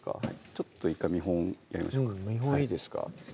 ちょっと１回見本やりましょうか見本いいですか？